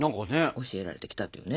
教えられてきたっていうね。